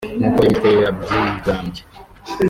nk’uko iyo mitwe yabyigambye